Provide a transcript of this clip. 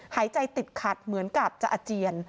หายใจติดขัดเหมือนกับจะอาเจียน